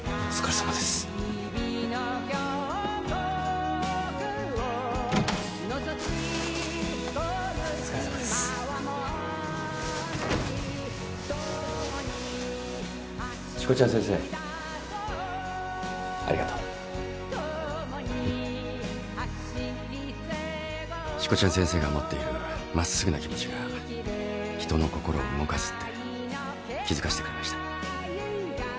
しこちゃん先生ありがとう。えっ？しこちゃん先生が持っている真っすぐな気持ちが人の心を動かすって気付かせてくれました。